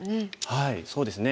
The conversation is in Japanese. はいそうですね。